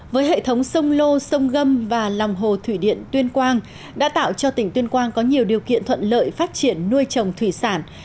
với hệ thống sông lô sông gâm và lòng hồ thủy điện tuyên quang đã tạo cho tỉnh tuyên quang có nhiều điều kiện thuận lợi phát triển nuôi trồng thủy sản